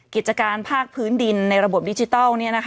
กิจการภาคพื้นดินในระบบดิจิตัลเนี่ยนะคะ